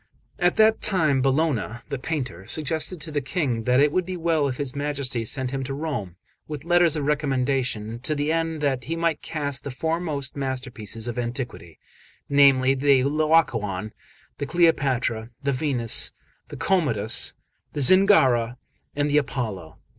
XXXVII AT that time Bologna, the painter, suggested to the King that it would be well if his Majesty sent him to Rome, with letters of recommendation, to the end that he might cast the foremost masterpieces of antiquity, namely, the Laocoon, the Cleopatra, the Venus, the Commodus, the Zingara, and the Apollo.